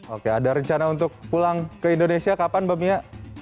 oke ada rencana untuk pulang ke indonesia kapan mbak mia